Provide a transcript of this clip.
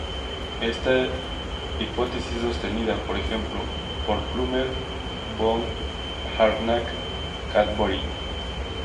Esta hipótesis es sostenida, por ejemplo, por Plummer, von Harnack, Cadbury.